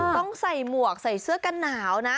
ต้องใส่หมวกใส่เสื้อกันหนาวนะ